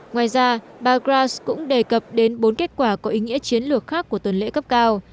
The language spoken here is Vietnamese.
ngoài ra bà grass cũng đề cập đến bốn kết quả có ý nghĩa chiến lược khác của tuần lễ cấp cao